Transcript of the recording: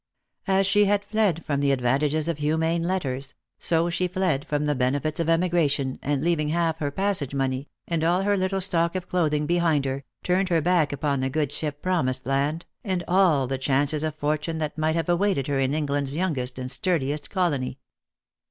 As she had fled from the advantages of humane letters, so she fled from the benefits of emigration, and leaving half her pas sage money, and all her little stock of clothing, behind her, 220 jjost Jor J^ove. turned her back upon the good ship Promised Land, and all the chances of fortune that might have awaited her in England's youngest and sturdiest colony.